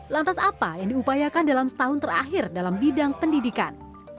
lantas apa yang diupayakan dalam setahun terakhir dalam bidang pendidikan